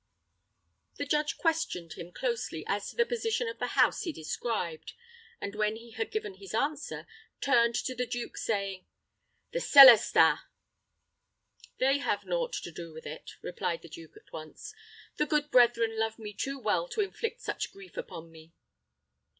The judge questioned him closely as to the position of the house he described; and when he had given his answer, turned to the duke, saying, "The Celestins." "They have had naught to do with it," replied the duke, at once. "The good brethren love me too well to inflict such grief upon me."